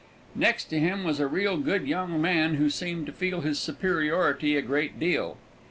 Next to him was a real good young man, who seemed to feel his superiority a great deal.